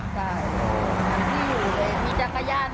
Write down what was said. มีจักรยาน